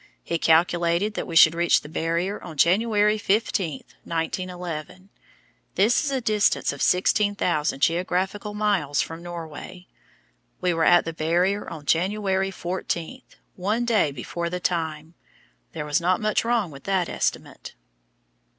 He calculated that we should reach the Barrier on January 15, 1911; this is a distance of 16,000 geographical miles from Norway. We were at the Barrier on January 14, one day before the time. There was not much wrong with that estimate.